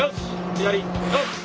左よし！